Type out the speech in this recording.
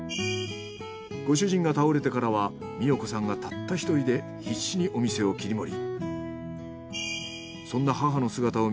ご主人が倒れてからは美代子さんがたった１人で必死にお店を切り盛り。